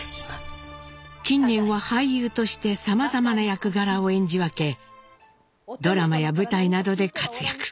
近年は俳優としてさまざまな役柄を演じ分けドラマや舞台などで活躍。